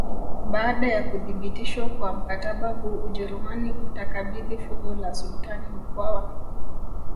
Baada ya kuthibitishwa kwa mkataba huu Ujerumani utakabidhi fuvu la sultani Mkwawa